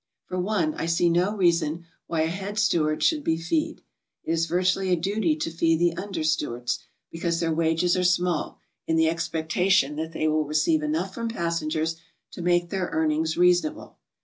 For one, I see no reason why a head steward should be feed. It is virtually a duty to fee the under stewards, be cause their wages are small, in the expectation that they will receive enough from passengers to make their earnings rea sonable.